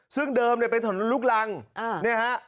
ซึ่งเดิมเนี่ยเป็นถนนลูกรังเนี่ยฮะ